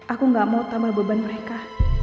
aku gak mau tambah beban mereka